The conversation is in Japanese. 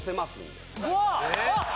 うわっ！